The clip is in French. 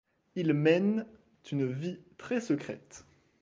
Ils mènent une vie très secrète.